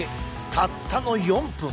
たったの４分！